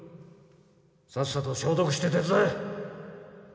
さっさと消毒して手伝え！